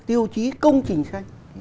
tiêu chí công trình xanh